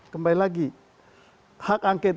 kembali lagi hak angket